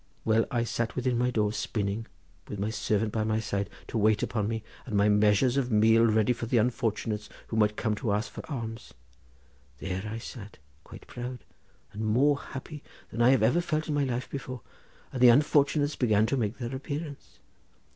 Well, I sat within my door, spinning, with my servant by my side to wait upon me, and my measures of male ready for the unfortunates who might come to ask for alms. There I sat, quite proud, and more happy than I had ever felt in my life before; and the unfortunates began to make their appearance.